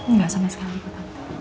enggak sama sekali pak